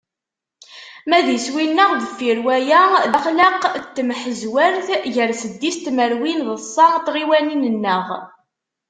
Ma d iswi-nneɣ deffir waya, d axlaq n temḥezwert gar seddis tmerwin d ṣa n tɣiwanin-nneɣ.